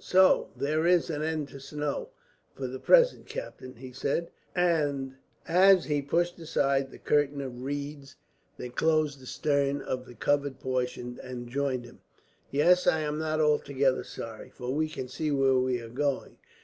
"So there is an end of the snow, for the present, captain," he said, as he pushed aside the curtain of reeds that closed the stern of the covered portion, and joined him. "Yes. I am not altogether sorry, for we can see where we are going.